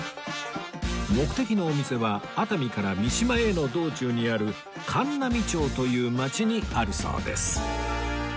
目的のお店は熱海から三島への道中にある函南町という町にあるそうです